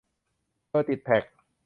โดยติดแท็ก